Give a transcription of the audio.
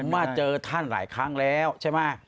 ผมว่าเจอท่านหลายครั้งแล้วใช่ไหม